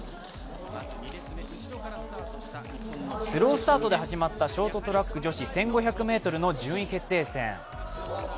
スロースタートで始まったショートトラック女子１５００ｍの順位決定戦。